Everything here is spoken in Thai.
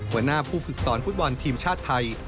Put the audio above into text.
หัวหน้าผู้ฝึกสอนฟุตบอลทีมชาติไทย